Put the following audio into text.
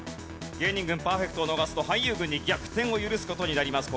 芸人軍パーフェクトを逃すと俳優軍に逆転を許す事になります。